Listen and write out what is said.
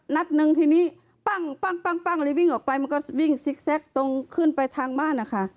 นัดนึงทีนี้ปั้งเลยวิ่งออกไปมันก็วิ่งซิกแซคตรงขึ้นไปทางบ้านนะคะ